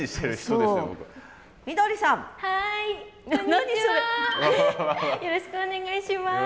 よろしくお願いします。